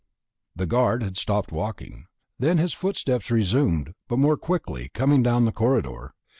The guard had stopped walking. Then his footsteps resumed, but more quickly, coming down the corridor.